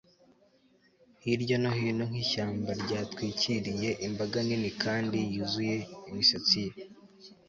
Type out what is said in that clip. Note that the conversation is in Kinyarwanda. Hirya no hino nkishyamba ryatwikiriye imbaga nini kandi yuzuye imisatsi ye